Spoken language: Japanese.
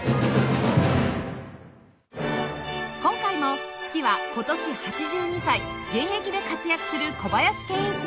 今回も指揮は今年８２歳現役で活躍する小林研一郎さん